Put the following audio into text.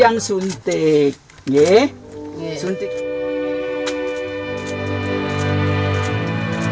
karena saya tidak tahu apa yang terjadi